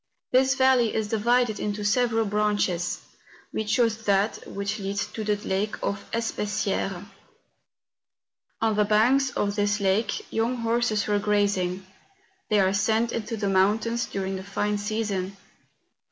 This valley is divided into several branches; we chose that which leads to the lake of the Espessieres. On the banks of this lake young horses were grazing: they are sent into the mountains during the fine season.